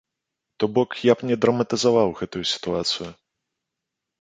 То бок, я б не драматызаваў гэтую сітуацыю.